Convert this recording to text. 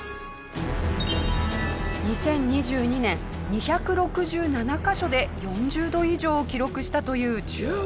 ２０２２年２６７カ所で４０度以上を記録したという中国。